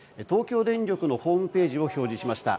東京電力のホームページです。